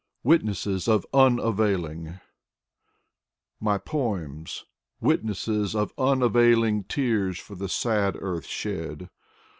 WITNESSES OF UNAVAILING My poems! Witnesses of unavailing Tears for the sad earth shed!